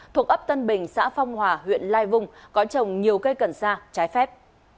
thuộc ấp tân bình xã phong hòa huyện lai vung có trồng nhiều cây cần sa trái phép